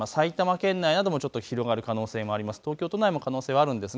千葉県を中心に埼玉県内などもちょっと広がる可能性もあります。